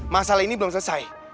masalah ini belum selesai